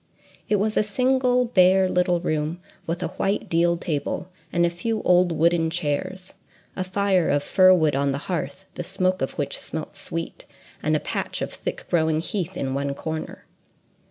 It was a single bare little room, with a white deal table, and a few old wooden chairs, a fire of fir wood on the hearth, the smoke of which smelt sweet, and a patch of thick growing heath in one corner.